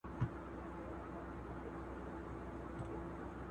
ګاونډیانو د آس لپاره د خوشحالۍ او بریا سندرې وویلې.